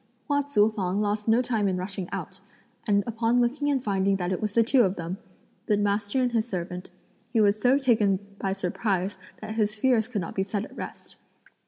Hua Tzu fang lost no time in rushing out; and upon looking and finding that it was the two of them, the master and his servant, he was so taken by surprise that his fears could not be set at rest.